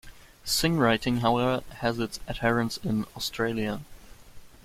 SignWriting, however, has its adherents in Australia.